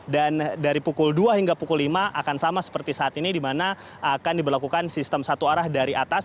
dan dari pukul dua hingga pukul lima akan sama seperti saat ini dimana akan diberlakukan sistem satu arah dari atas